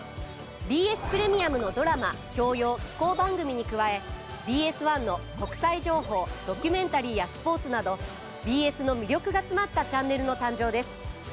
ＢＳプレミアムのドラマ教養紀行番組に加えＢＳ１の国際情報ドキュメンタリーやスポーツなどＢＳの魅力が詰まったチャンネルの誕生です。